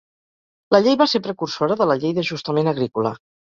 La llei va ser precursora de la Llei d'ajustament agrícola.